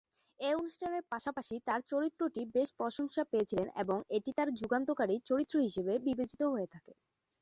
এই অনুষ্ঠানের পাশাপাশি তাঁর চরিত্রটি বেশ প্রশংসা পেয়েছিল এবং এটি তাঁর যুগান্তকারী চরিত্র হিসাবে বিবেচিত হয়ে থাকে।